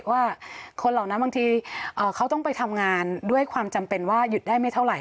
ว่าคนเหล่านั้นบางทีเขาต้องไปทำงานด้วยความจำเป็นว่าหยุดได้ไม่เท่าไห